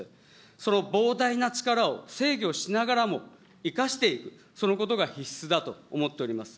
その膨大な力を制御しながらも生かしていく、そのことが必須だと思っております。